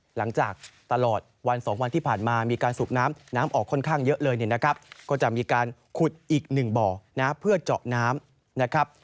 หลังจากตลอดวัน๒วันที่ผ่านมามีการสูบน้ำน้ำออกค่อนข้างเยอะเลยเนี่ยนะครับก็จะมีการขุดอีกหนึ่งบ่อนะเพื่อเจาะน้ำนะครับ